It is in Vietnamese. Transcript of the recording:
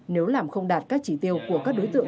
nếu làm không đạt các chỉ tiêu của các đối tượng